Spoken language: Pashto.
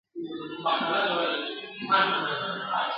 ښه خبرې احترام زیاتوي.